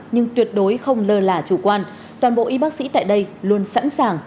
nhưng tuyệt đối không lờ lả chủ quan toàn bộ y bác sĩ tại đây luôn sẵn sàng